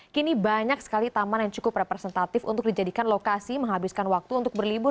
kini banyak sekali taman yang cukup representatif untuk dijadikan lokasi menghabiskan waktu untuk berlibur